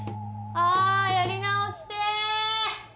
あやり直してえ！